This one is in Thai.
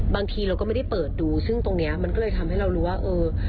บางทีเราก็ไม่ได้เปิดดูซึ่งตรงเนี้ยมันก็เลยทำให้เรารู้ว่าเออ